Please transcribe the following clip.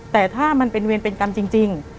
แต่ถ้ามันเป็นเวรเป็นกรรมจริง